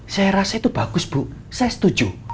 saya rasa itu bagus bu saya setuju